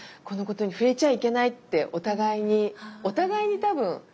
このことに触れちゃいけないってお互いにお互いに多分。